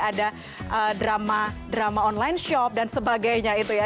ada drama drama online shop dan sebagainya itu ya